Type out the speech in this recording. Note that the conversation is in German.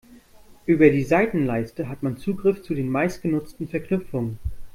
Über die Seitenleiste hat man Zugriff zu den meistgenutzten Verknüpfungen.